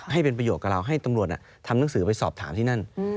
ให้เป็นประโยชน์กับเราให้ตำรวจทำหนังสือไปสอบถามที่นั่น